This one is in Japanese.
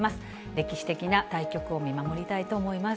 歴史的な対局を見守りたいと思います。